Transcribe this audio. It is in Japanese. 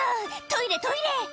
トイレトイレ！」